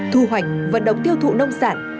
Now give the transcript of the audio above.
thu hoạch vận động tiêu thụ nông sản